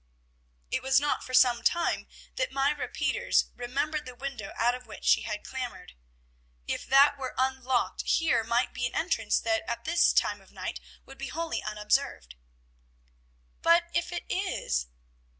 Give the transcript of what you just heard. It was not for some time that Myra Peters remembered the window out of which she had clambered. If that were unlocked here might be an entrance that at this time of night would be wholly unobserved. "But if it is?"